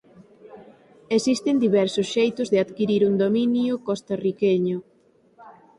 Existen diversos xeitos de adquirir un dominio costarriqueño.